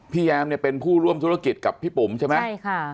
แอมเนี่ยเป็นผู้ร่วมธุรกิจกับพี่ปุ๋มใช่ไหมใช่ค่ะ